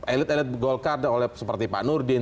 elit elit golkar seperti pak nurdin